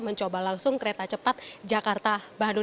mencoba langsung kereta cepat jakarta bandung